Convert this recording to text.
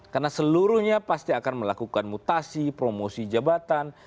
karena seluruhnya pasti akan melakukan mutasi promosi jabatan